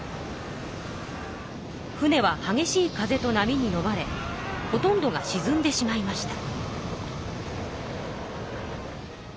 船ははげしい風と波にのまれほとんどがしずんでしまいました。